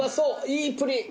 いいプリン！